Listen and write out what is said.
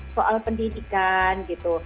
soal pendidikan gitu